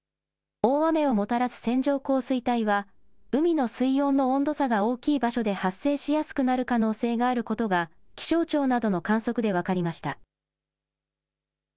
大雨をもたらす線状降水帯は、海の水温の温度差が大きい場所で発生しやすくなる可能性があることが気象庁などの観測で分かりました。